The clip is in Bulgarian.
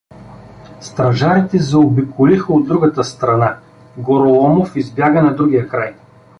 Стражарите заобиколиха от другата страна — Гороломов избяга на другия край.